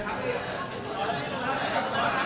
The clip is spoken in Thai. สวัสดีครับสวัสดีครับ